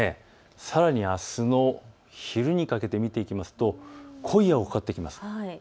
さらにあすの昼にかけて見ていきますと濃い青がかかってきます。